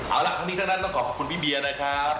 อ้าวแล้วทั้งนี้ทั้งต้องขอขอบคุณพี่เบียร์นะครับ